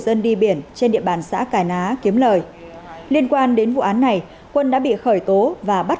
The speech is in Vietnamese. dân đi biển trên địa bàn xã cà ná kiếm lời liên quan đến vụ án này quân đã bị khởi tố và bắt